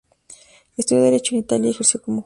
Estudió Derecho en Italia y ejerció como juez.